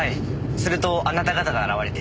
するとあなた方が現れて。